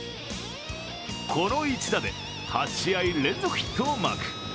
この一打で８試合連続ヒットをマーク。